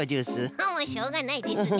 もうしょうがないですね。